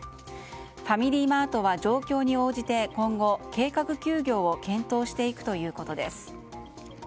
ファミリーマートは状況に応じて今後、計画休業を検討していくということです。